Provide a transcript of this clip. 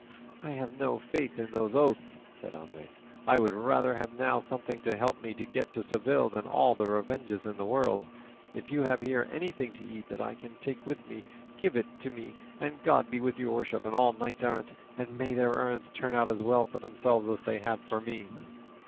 "I have no faith in those oaths," said Andres; "I would rather have now something to help me to get to Seville than all the revenges in the world; if you have here anything to eat that I can take with me, give it me, and God be with your worship and all knights errant; and may their errands turn out as well for themselves as they have for me."